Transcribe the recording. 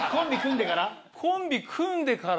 コンビ組んでから？